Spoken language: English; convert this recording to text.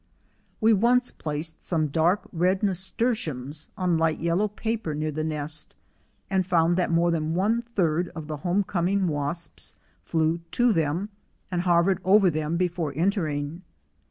We once placed some dark red nasturtiums on light yellow paper near the nest, and found that more than one third of the homecoming wasps flew to them and hovered over them before enter ing.